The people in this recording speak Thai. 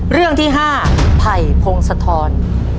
เรื่องที่๕ไผ่พงศธร